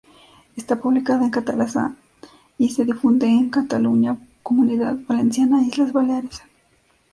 Está publicada en catalán y se difunde en Cataluña, Comunidad Valenciana e Islas Baleares.